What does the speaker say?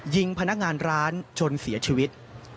ยิงพนักงานร้านจนเสียชีวิต